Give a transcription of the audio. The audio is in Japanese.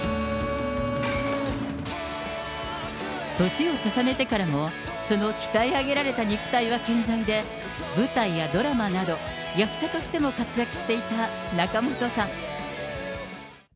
年を重ねてからも、その鍛え上げられた肉体は健在で、舞台やドラマなど、役者としても活躍していた仲本さん。